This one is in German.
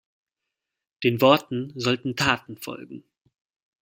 Den Worten sollten Taten folgen.